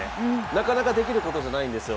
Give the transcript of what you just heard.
なかなかできることじゃないんですよ。